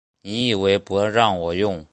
你以为不让我用